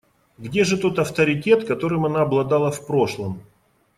Где же тот авторитет, которым она обладала в прошлом?